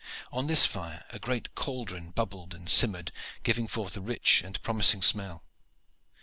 On this fire a great cauldron bubbled and simmered, giving forth a rich and promising smell.